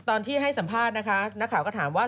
ตอนที่ให้สัมภาษณ์นะคะนักข่าวก็ถามว่า